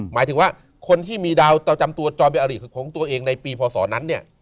หมายถึงว่าคนที่มีดาวประจำตัวจรเป็นอาริของตัวเองในปีพศนั้นเนี่ย